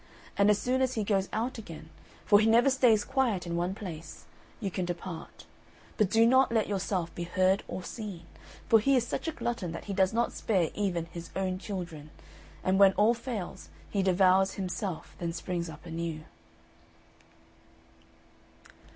And as soon as he goes out again for he never stays quiet in one place you can depart. But do not let yourself be heard or seen, for he is such a glutton that he does not spare even his own children; and when all fails, he devours himself and then springs up anew."